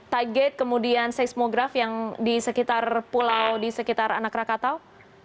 tag gate kemudian seismograf yang di sekitar pulau di sekitar anak krakatau